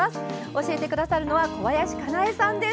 教えてくださるのは小林かなえさんです。